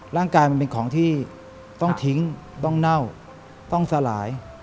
มันเป็นของที่ต้องทิ้งต้องเน่าต้องสลาย